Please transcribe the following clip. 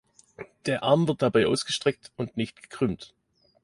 Der Arm wird dabei ausgestreckt und nicht gekrümmt.